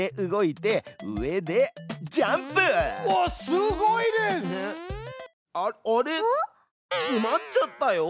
つまっちゃったよ！